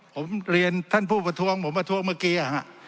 ผมเรียนท่านผู้ประท้วงผมประท้วงเมื่อกี้